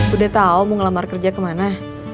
udah tau mau ngelamar kerja ke mana